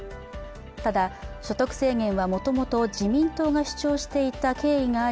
ただ、所得制限はもともと自民党が主張していた経緯があり、